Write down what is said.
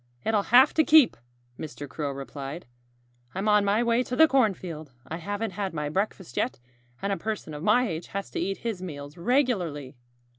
"It'll have to keep," Mr. Crow replied. "I'm on my way to the cornfield. I haven't had my breakfast yet. And a person of my age has to eat his meals regularly."